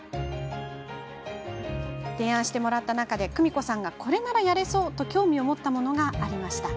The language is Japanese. その中で、久美子さんがこれならやれそうと興味を持ったものがありました。